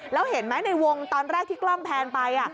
แล้วเห็นไหมในวงตอนแรกที่กล้องแพนไป